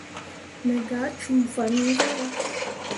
Me gah cuu fan iŋ zarah.